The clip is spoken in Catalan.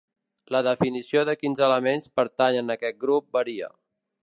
La definició de quins elements pertanyen en aquest grup varia.